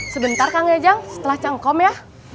sebentar kang ejang setelah cangkom ya